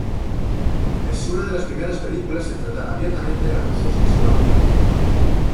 Es una de las primeras películas en tratar abiertamente el abuso sexual infantil.